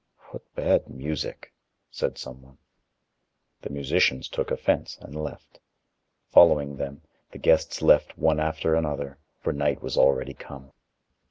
"What bad music," said someone. The musicians took offense and left. Following them, the guests left one after another, for night was already come.